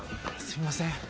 すみません。